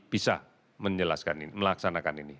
bisa melaksanakan ini